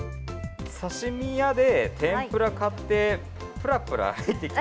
刺身屋で天ぷら買って、ぷらぷら歩いてきて！